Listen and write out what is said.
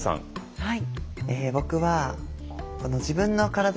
はい。